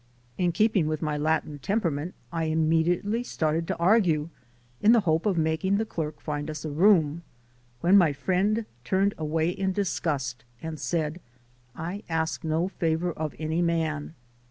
In keeping with my Latin temperament I immediately started to argue, in the hope of mak ing the clerk find us a room, when my friend turned away in disgust and said: "I ask no favor of any man."